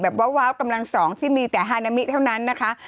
ว้าวกำลังสองที่มีแต่ฮานามิเท่านั้นนะคะ